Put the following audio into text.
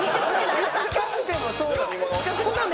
近くてもそうなんだ。